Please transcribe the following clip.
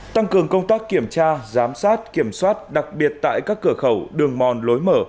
tăng cường công tác kiểm tra giám sát kiểm soát đặc biệt tại các cửa khẩu đường mòn lối mở